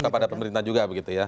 kepada pemerintah juga begitu ya